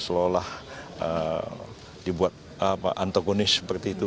seolah olah dibuat antagonis seperti itu